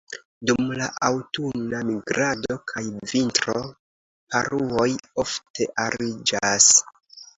Dum la aŭtuna migrado kaj vintro, paruoj ofte ariĝas.